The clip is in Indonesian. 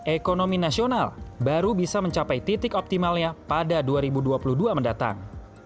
ekonomi nasional baru bisa mencapai titik optimalnya pada dua ribu dua puluh dua mendatang